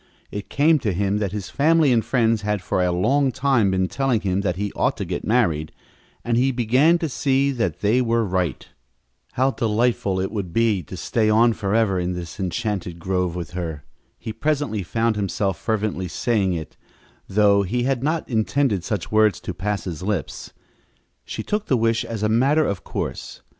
It came to him that his family and friends had for a long time been telling him that he ought to get married, and he began to see that they were right. How delightful it would be to stay on forever in this enchanted grove with her. He presently found himself fervently saying it, though he had not intended such words to pass his lips. She took the wish as a matter of course.